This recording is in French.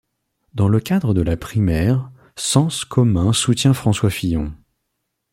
Dans le cadre de la primaire, Sens commun soutient François Fillon.